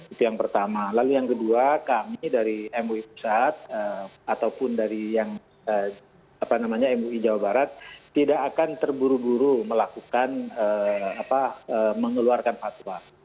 itu yang pertama lalu yang kedua kami dari mui pusat ataupun dari yang mui jawa barat tidak akan terburu buru melakukan mengeluarkan fatwa